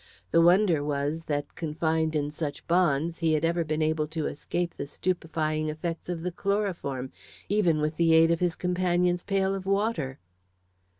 The wonder was that, confined in such bonds, he had ever been able to escape the stupefying effects of the chloroform even with the aid of his companion's pail of water.